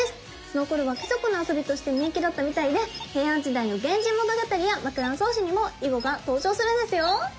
そのころは貴族の遊びとして人気だったみたいで平安時代の「源氏物語」や「枕草子」にも囲碁が登場するんですよ！